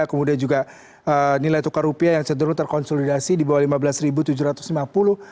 kemudian juga nilai tukar rupiah yang cenderung terkonsolidasi di bawah rp lima belas tujuh ratus lima puluh